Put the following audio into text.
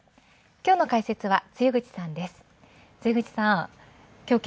きょうの解説は露口さんです。